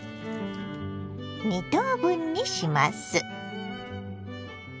２等分にします。